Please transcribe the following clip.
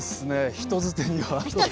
人づてには。